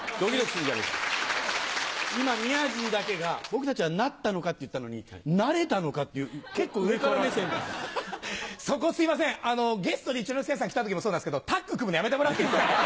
今、宮治だけが、僕たちはなったのかって言ったのに、なれたのかって、そこ、すみません、ゲストで一之輔さん来たときもそうなんですけど、タッグ組むのやめてもらっていいですか。